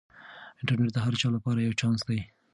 انټرنیټ د هر چا لپاره یو چانس دی.